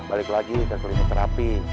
balik lagi ke klinik terapi